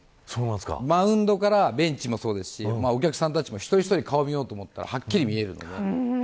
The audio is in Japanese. マウンドからベンチもそうですしお客さんも一人一人顔を見ようと思ったらはっきり見えるんです。